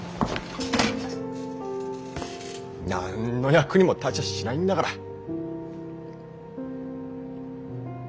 なんの役にも立ちゃしないんだから。